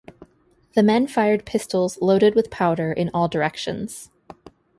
The men fired pistols loaded with powder in all directions.